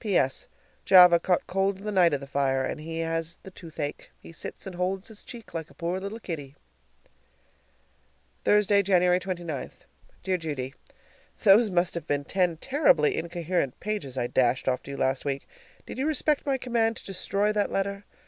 P.S. Java caught cold the night of the fire and he has the toothache. He sits and holds his cheek like a poor little kiddie. Thursday, January 29. Dear Judy: Those must have been ten terribly incoherent pages I dashed off to you last week. Did you respect my command to destroy that letter?